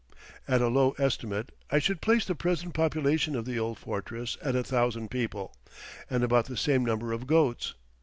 At a low estimate, I should place the present population of the old fortress at a thousand people, and about the same number of goats.